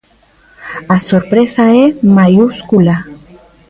A sorpresa é maiúscula.